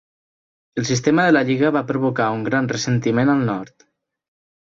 El sistema de la lliga va provocar un gran ressentiment al nord.